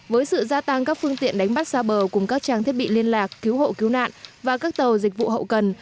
với sự gia tăng các phương tiện đánh bắt xa bờ cùng các trang thiết bị liên lạc cứu hộ cứu nạn và các tàu dịch vụ hậu cần